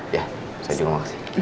ya saya juga makasih